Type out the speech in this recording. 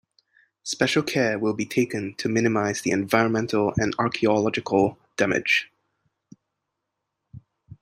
Special care will be taken to minimize the environmental and archaeological damage.